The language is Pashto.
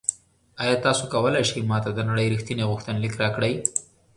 ایا تاسو کولی شئ ما ته د نړۍ ریښتیني غوښتنلیک راکړئ؟